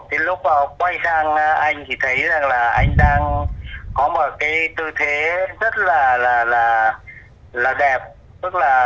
bức ảnh lúc vào quay sang anh chị thấy rằng là anh đang có một cái tư thế rất là là là đẹp rất là